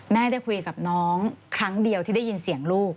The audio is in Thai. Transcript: ได้คุยกับน้องครั้งเดียวที่ได้ยินเสียงลูก